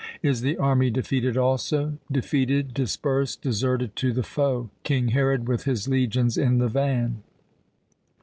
"Is the army defeated also?" "Defeated, dispersed, deserted to the foe King Herod with his legions in the van."